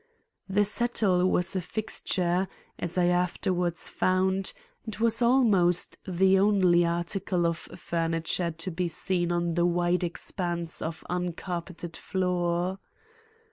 The settle was a fixture, as I afterwards found, and was almost the only article of furniture to be seen on the wide expanse of uncarpeted floor.